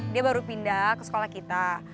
dia baru pindah ke sekolah kita